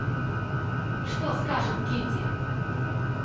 Что скажет Кити?